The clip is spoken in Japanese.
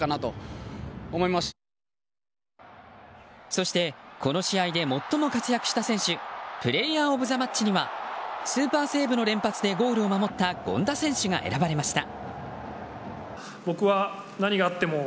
そしてこの試合で最も活躍した選手プレーヤー・オブ・ザ・マッチにはスーパーセーブの連発でゴールを守った権田選手が選ばれました。